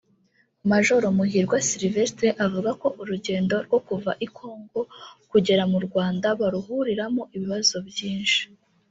Majoro Muhirwa Sylvestre avuga ko urugendo rwo kuva i Congo kugera mu Rwanda baruhuriramo ibibazo byinshi